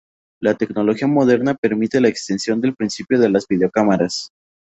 La tecnología moderna permite la extensión del principio de las videocámaras.